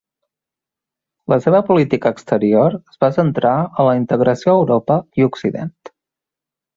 La seva política exterior es va centrar en la integració a Europa i Occident.